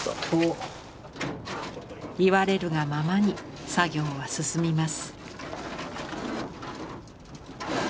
言われるがままに作業は進みます。